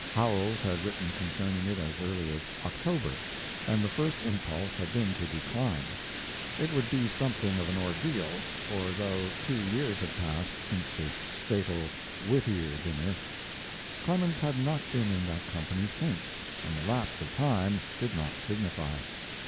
Howells had written concerning it as early as October, and the first impulse had been to decline. It would be something of an ordeal; for though two years had passed since the fatal Whittier dinner, Clemens had not been in that company since, and the lapse of time did not signify.